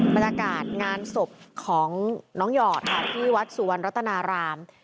บรรยากาศงานศพของน้องหยอดค่ะที่วัดสุวรรณรัตนาราม